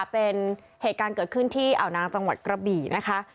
เป็นเหตุการณ์เกิดขึ้นที่อ่าวนางจังหวัดกระบี่นะคะ